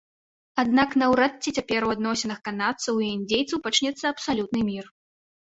Аднак наўрад ці цяпер у адносінах канадцаў і індзейцаў пачнецца абсалютны мір.